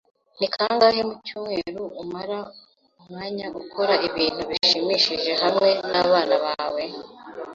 Ni kangahe mu cyumweru umara umwanya ukora ibintu bishimishije hamwe nabana bawe?